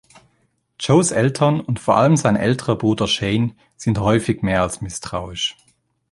Joes Eltern und vor allem sein älterer Bruder Shane sind häufig mehr als misstrauisch.